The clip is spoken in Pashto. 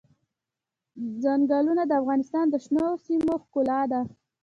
چنګلونه د افغانستان د شنو سیمو ښکلا ده.